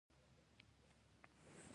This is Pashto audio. احمد د سارا پېغلتوب واخيست.